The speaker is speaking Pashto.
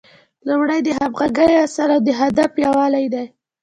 لومړی د همغږۍ اصل او د هدف یووالی دی.